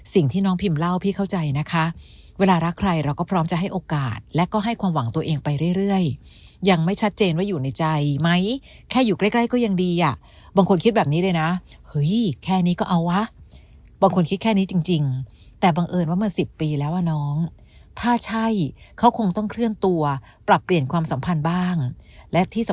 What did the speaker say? สิ่งที่น้องพิมเล่าพี่เข้าใจนะคะเวลารักใครเราก็พร้อมจะให้โอกาสและก็ให้ความหวังตัวเองไปเรื่อยยังไม่ชัดเจนว่าอยู่ในใจไหมแค่อยู่ใกล้ใกล้ก็ยังดีอ่ะบางคนคิดแบบนี้เลยนะเฮ้ยแค่นี้ก็เอาวะบางคนคิดแค่นี้จริงแต่บังเอิญว่ามัน๑๐ปีแล้วอ่ะน้องถ้าใช่เขาคงต้องเคลื่อนตัวปรับเปลี่ยนความสัมพันธ์บ้างและที่ส